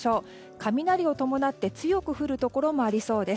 雷を伴って強く降るところもありそうです。